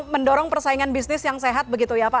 mendorong persaingan bisnis yang sehat begitu ya pak